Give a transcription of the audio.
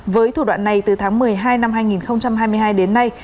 với thủ đoạn này từ tháng một mươi hai năm hai nghìn hai mươi hai đến nay